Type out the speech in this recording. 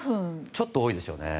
ちょっと多いですね。